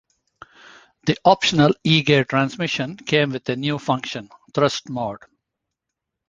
The optional E-gear transmission came with a new function: 'thrust' mode.